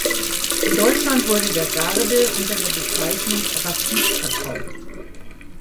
In Deutschland wurde der Garde unter der Bezeichnung "Rapid" verkauft.